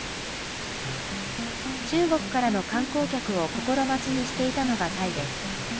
中国からの観光客を心待ちにしていたのがタイです。